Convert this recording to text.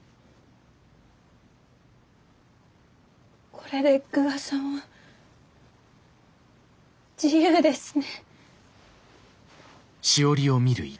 これで久我さんは自由ですね。